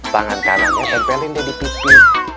tangan kanannya tempelin dia di pipi